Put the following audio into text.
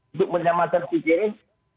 untuk menyamakan pikiran